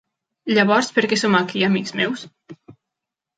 Llavors, per què som aquí, amics meus?